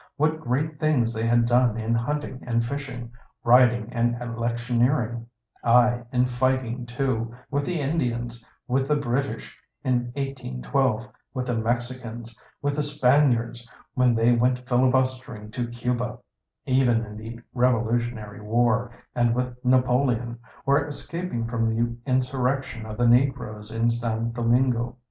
What great things they had done in hunting and fishing, riding, and electioneering — ^aye, in fighting too; with the Indians, with the British in 1812, with the Mexicans, with the Spaniards, when they went filibustering to Cuba — even in the Revolutionary War, and with Napoleon, or escap ing from the insurrection of the negroes in San Domingo.